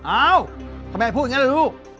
เอ้าทำไมพูดอย่างนั้นล่ะลูก